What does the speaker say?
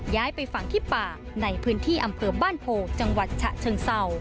ไปฝังที่ป่าในพื้นที่อำเภอบ้านโพจังหวัดฉะเชิงเศร้า